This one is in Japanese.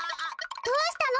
どうしたの？